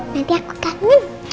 nanti aku kangen